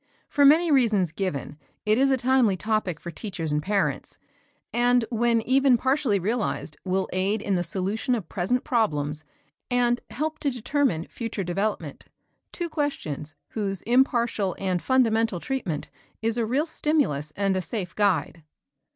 For many reasons given, it is a timely topic for teachers and parents, and when even partially realized will aid in the solution of present problems and help to determine future development, two questions, whose impartial and fundamental treatment is a real stimulus and a safe guide.